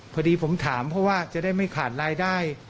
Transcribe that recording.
พอดีผมถามเพราะว่าจะได้ไม่ขาดรายได้